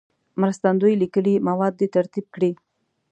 مرستندوی لیکلي مواد دې ترتیب کړي.